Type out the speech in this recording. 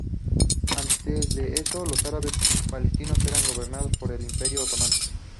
Antes de eso, los árabes palestinos eran gobernados por el Imperio otomano.